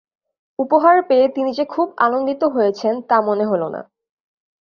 উপহার পেয়ে তিনি যে খুব আনন্দিত হয়েছেন তা মনে হল না।